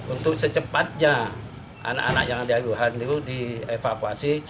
untuk secepatnya anak anak yang ada di wuhan itu dievakuasi